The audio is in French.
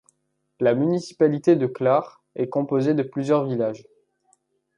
La municipalité de Clare est composée de plusieurs villages.